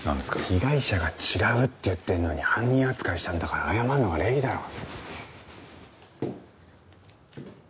被害者が違うって言ってんのに犯人扱いしたんだから謝るのが礼儀だろ。